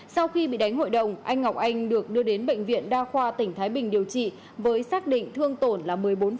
sau khi bị đánh hội đồng anh ngọc anh được đưa đến bệnh viện đa khoa tỉnh thái bình điều trị với xác định thương tổn là một mươi bốn